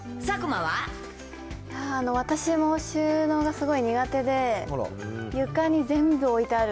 私も収納がすごい苦手で、床に？